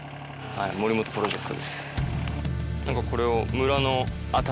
森本プロジェクトです。